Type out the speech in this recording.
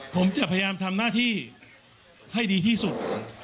ผมจะพยายามทำหน้าที่ให้ดีที่สุด